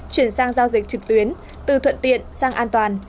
chuyển sang giao dịch trực tuyến từ thuận tiện sang an toàn